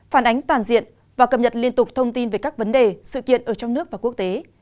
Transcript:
phản ánh toàn diện và cập nhật liên tục thông tin về các vấn đề sự kiện ở trong nước và quốc tế